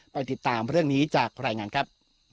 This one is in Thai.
ไปติดตามเรื่องนี้จากรายงานครับ